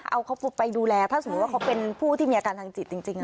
เอาเขาไปดูแลถ้าสมมุติว่าเขาเป็นผู้ที่มีอาการทางจิตจริง